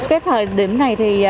cái thời điểm này thì